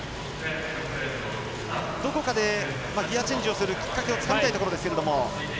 どこかでギヤチェンジをするきっかけをつかみたいところですけども。